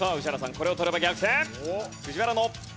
これを取れば逆転。